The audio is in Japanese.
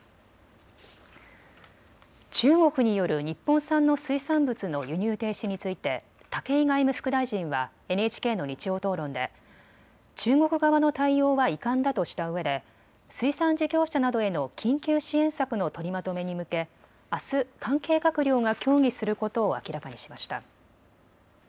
中国による日本産の水産物の輸入停止について武井外務副大臣はＮＨＫの日曜討論で中国側の対応は遺憾だとしたうえで水産事業者などへの緊急支援策の取りまとめに向けあす関係閣僚が協議することを明らかにしました。